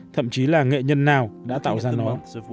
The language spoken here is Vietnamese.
thậm chí là nghệ nhân nào đã tạo ra nó